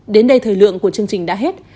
đến đây thời lượng của chương trình đã hết